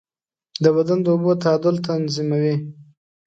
د بدن د اوبو تعادل تنظیموي.